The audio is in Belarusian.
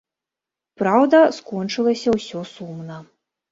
Праўда, скончылася ўсё сумна.